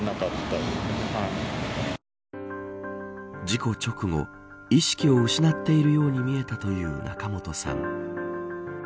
事故直後意識を失っているように見えたという仲本さん。